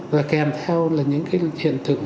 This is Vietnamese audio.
và kèm theo là những cái hiện tượng